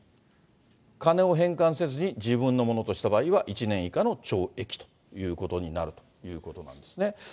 金を返還せずに、自分のものとした場合は、１年以下の懲役ということになるということなんですね。